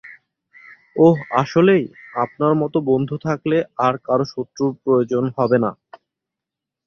ওহ আসলেই, আপনার মতো বন্ধু থাকলে আর কারো শত্রুর প্রয়োজন হবেনা।